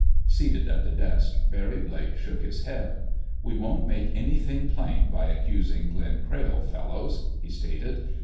Seated at the desk, Barry Blake shook his head. "We won't make anything plain by accusing Glenn Crayle, fellows," he stated.